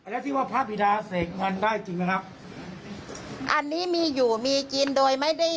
แล้วที่ว่าพระบิดาเสกเงินได้จริงไหมครับอันนี้มีอยู่มีกินโดยไม่ได้